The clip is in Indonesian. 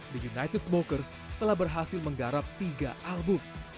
the united smokers telah berhasil menggarap tiga album